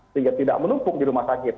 sehingga tidak menumpuk di rumah sakit